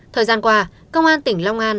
thời gian qua công an tỉnh long an